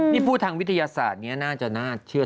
นี่พูดทางวิทยาศาสตร์นี้น่าจะน่าเชื่อ